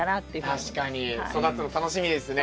確かに育つの楽しみですね。